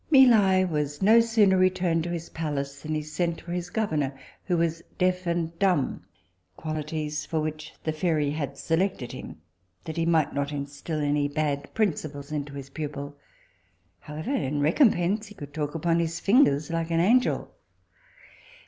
Mi Li was no sooner returned to his palace than he sent for his governor, who was deaf and dumb, qualities for which the fairy had selected him, that he might not instil any bad principles into his pupil; however, in recompence, he could talk upon his fingers like an angel.